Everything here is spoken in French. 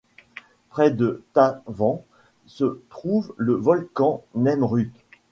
Près de Tatvan se trouve le volcan Nemrut.